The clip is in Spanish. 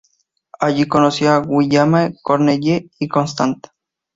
Allí conoció a Guillaume Corneille y Constant.